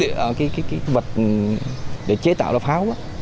cái vật để chế tạo ra pháo á